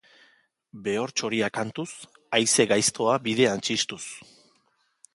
Behor-txoria kantuz, haize gaiztoa bidean txistuz.